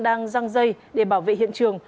đang răng dây để bảo vệ hiện trường